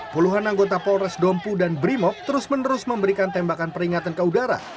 puluhan anggota polres dompu dan brimop terus menerus memberikan tembakan peringatan ke udara